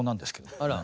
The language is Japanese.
あら。